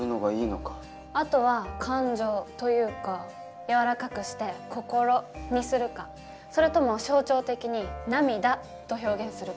あとは「感情」と言うか軟らかくして「こころ」にするかそれとも象徴的に「涙」と表現するか。